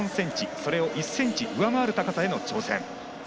それを１ｃｍ上回る高さへの挑戦。